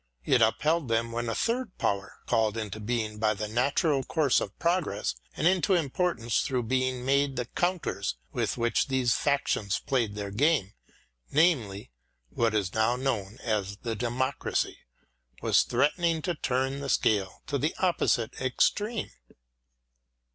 It upheld them when a third power, called into being by the natural course of progress and into importance through being made the counters witii which these factions played their game — namely, what is now known as the democracy — was threatening to turn the scale to the opposite extreme.